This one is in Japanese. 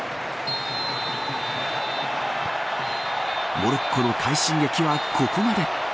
モロッコの快進撃はここまで。